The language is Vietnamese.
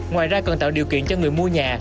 ngoài ra còn tạo điều kiện cho người mua nhà